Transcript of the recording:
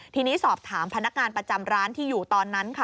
ทีนี้สอบถามพนักงานประจำร้านที่อยู่ตอนนั้นค่ะ